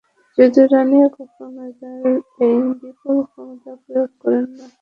যদিও রানি কখনোই তার এই বিপুল ক্ষমতা প্রয়োগ করেন না।